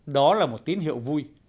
đó là một tín hiệu vui